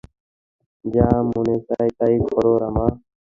যা মনে চায় তাই করো রামা!